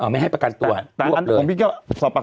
ไม่ให้ประกันตัวรวบเลย